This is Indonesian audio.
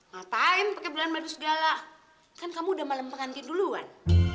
loh ngapain pake bulan madu segala kan kamu udah malem penganggit duluan